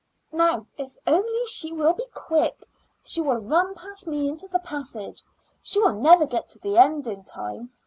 "Now, if only she will be quick, she will run past me into the passage. She will never get to the end in time.